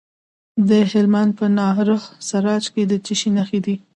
د هلمند په ناهري سراج کې د څه شي نښې دي؟